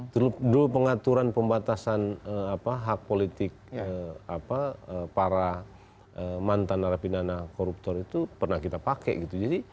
dulu pengaturan pembatasan apa hak politik apa para mantan rapi dana koruptor itu pernah kita pakai